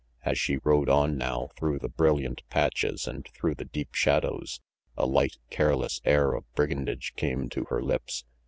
As she rode on now through the brilliant patches and through the deep shadows, a light, careless air of brigandage came to her lips.